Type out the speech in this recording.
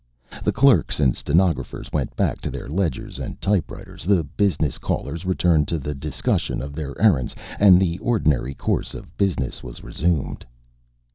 The clerks and stenographers went back to their ledgers and typewriters, the business callers returned to the discussion of their errands, and the ordinary course of business was resumed.